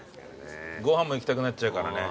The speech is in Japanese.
ご飯もいきたくなっちゃうからね。